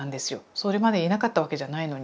それまでいなかったわけじゃないのに。